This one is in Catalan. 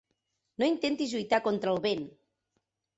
No intentis lluitar contra el vent.